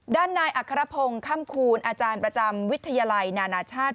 ด้านนายอัครพงศ์ค่ำคูณอาจารย์ประจำวิทยาลัยนานาชาติ